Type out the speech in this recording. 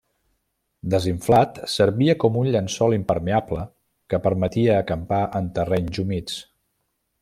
Desinflat, servia com un llençol impermeable que permetia acampar en terrenys humits.